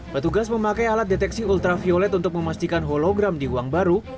petugas memakai alat deteksi ultraviolet untuk memastikan hologram di uang baru